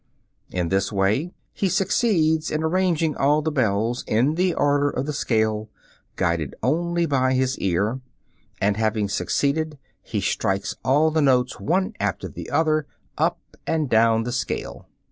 In this way he succeeds in arranging all the bells in the order of the scale, guided only by his ear, and having succeeded, he strikes all the notes one after the other up and down the scale.